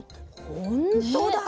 ほんとだ。